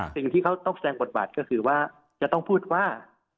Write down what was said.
สิ่งที่เขาต้องแสดงบทบาทก็คือว่าจะต้องพูดว่า